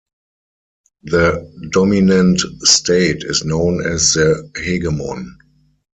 The dominant state is known as the "hegemon".